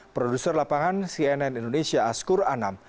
produser lapangan cnn indonesia askur anam